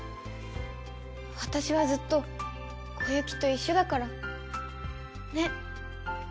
私はずっとコユキと一緒だから。ね！